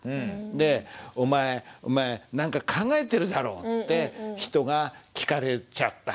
で「お前何か考えてるだろ」って人が聞かれちゃった。